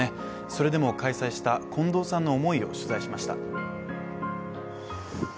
それでも開催した近藤さんの思いを取材しました。